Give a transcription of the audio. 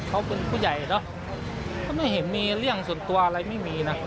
เขาเป็นผู้ใหญ่เนอะก็ไม่เห็นมีเรื่องส่วนตัวอะไรไม่มีนะ